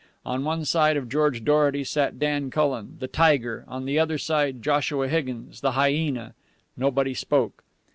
On one side of George Dorety sat Dan Cullen, the tiger, on the other side, Joshua Higgins, the hyena. Nobody spoke.